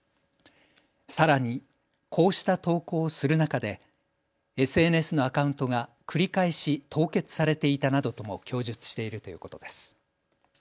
さらにこうした投稿をする中でＳＮＳのアカウントが繰り返し凍結されていたなどとも供述しているということです。